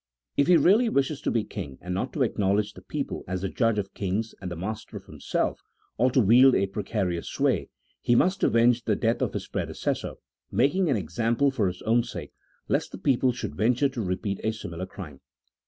If he really wishes to be king, and not to acknowledge the people as the judge of kings and the master of himself, or to wield a precarious sway, he must avenge the death of his predecessor, making an example for his own sake, lest the people should venture to repeat a similar crime.